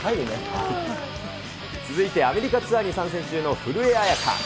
続いて、アメリカツアーに参戦中の古江彩佳。